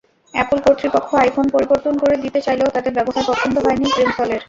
Apple কর্তৃপক্ষ iPhone পরিবর্তন করে দিতে চাইলেও তাদের ব্যবহার পছন্দ হয়নি গ্রিমসলের।